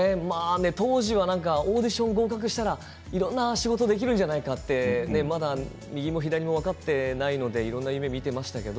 当時はオーディションに合格したらいろんな仕事ができるんじゃないかと右も左も分かっていないのでいろんな夢をみていましたけど